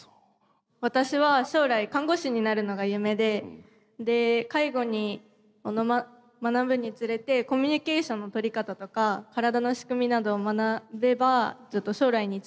私は将来看護師になるのが夢で介護を学ぶにつれてコミュニケーションの取り方とか体の仕組みなどを学べば将来につなげられるのかなと思って。